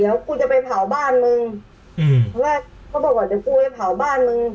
เดี๋ยวคุณจะไปเผาบ้านมึงเขาก็บอกว่าเดี๋ยวคุณไปเผาบ้านมึง